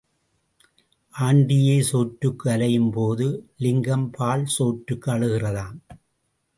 ஆண்டியே சோற்றுக்கு அலையும் போது லிங்கம் பால் சோற்றுக்கு அழுகிறதாம்.